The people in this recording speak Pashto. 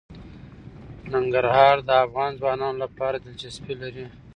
ننګرهار د افغان ځوانانو لپاره دلچسپي لري.